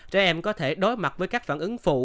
trẻ em có thể đối mặt với các phản ứng phụ